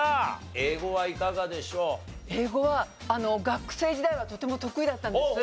英語は学生時代はとても得意だったんです。